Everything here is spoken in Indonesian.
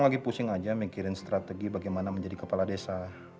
lagi pusing aja mikirin strategi bagaimana menjadi kepala desa